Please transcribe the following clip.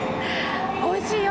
おいしいよ